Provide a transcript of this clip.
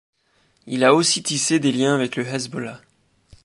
Il a aussi tissé des liens avec le Hezbollah.